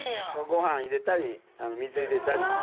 ご飯入れたり水入れたり。